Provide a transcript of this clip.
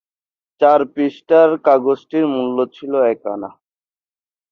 চার পৃষ্ঠার কাগজটির মূল্য ছিল এক আনা।